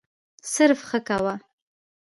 صرف «ښه» کوه.